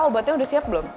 obatnya udah siap belum